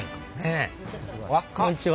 こんにちは。